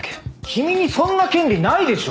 君にそんな権利ないでしょ。